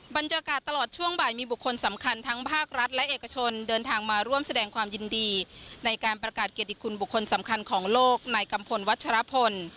บรรยากาศตลอดช่วงบ่ายมีบุคคลสำคัญทั้งภาครัฐและเอกชนเดินทางมาร่วมแสดงความยินดีในการประกาศเกียรติคุณบุคคลสำคัญของโลกในกัมพลวัชรพล